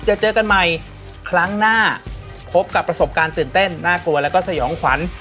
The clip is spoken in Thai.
เจอเจอกันใหม่ครั้งหน้าพบกับประสบการณ์ตื่นเต้นน่ากลัวแล้วก็สยองขวัญ